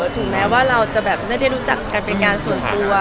ถึงแม้ว่าเราจะแบบไม่ได้รู้จักกันเป็นงานส่วนตัว